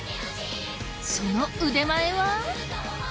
その腕前は。